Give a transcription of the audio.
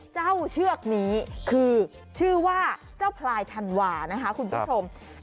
เชือกนี้คือชื่อว่าเจ้าพลายธันวานะคะคุณผู้ชม